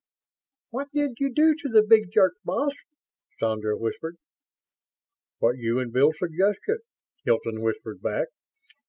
"What did you do to the big jerk, boss?" Sandra whispered. "What you and Bill suggested," Hilton whispered back.